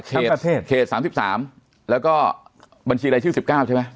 เขต๓๓แล้วก็บัญชีรายชื่อ๑๙ใช่ไหม